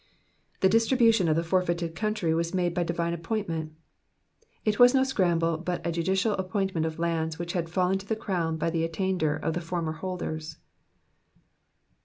The distribution of the forfeited country was made by divine appointment ; it was no scramble, but a judicial appointment of lands which had fallen to the crown by the attainder of the former holders.